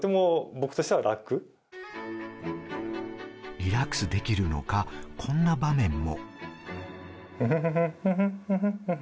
リラックスできるのか、こんな場面も。